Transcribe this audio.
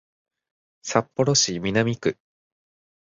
札幌市南区